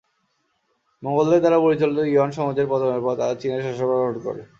মঙ্গোলদের দ্বারা পরিচালিত ইউয়ান সাম্রাজ্যের পতনের পর তারা চিনের শাসনভার গ্রহণ করে।